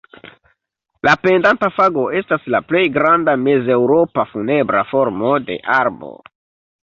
La pendanta fago estas la plej granda mezeŭropa funebra formo de arbo.